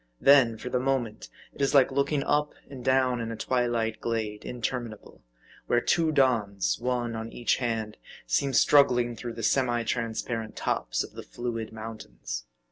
Then, for the moment, it is like looking up and down in a twilight glade, interminable ; where two dawns, one on each hand, seem struggling through the semi transparent tops of the fluid mountains.